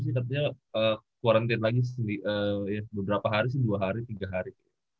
iya katanya sih yang denger denger sih katanya karantina lagi beberapa hari sih dua hari tiga hari